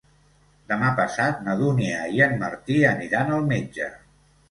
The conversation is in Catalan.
Demà passat na Dúnia i en Martí aniran al metge.